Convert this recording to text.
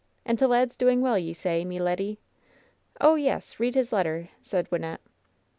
And t' lad's doing well, ye say, meleddyT *'0h, yes. Eead his letter,^' said Wynnette.